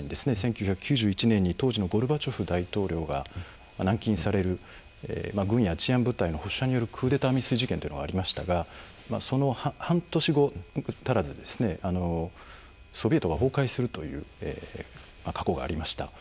１９９１年に当時のゴルバチョフ大統領が軟禁される軍や治安部隊の保守派によるクーデター未遂事件がありましたがその半年後足らずにソビエトが崩壊するという過去がありました。